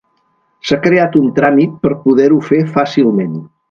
S'ha creat un tràmit per poder-ho fer fàcilment.